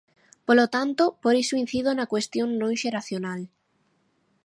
Polo tanto, por iso incido na cuestión non xeracional.